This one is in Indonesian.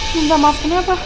minta maafin apa